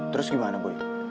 terus gimana boy